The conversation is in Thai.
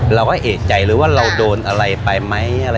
เราก็เอกใจเลยว่าเราโดนอะไรไปไหมอะไร